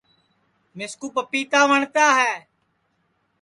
مِسکُو پَپیتا وٹؔتا ہے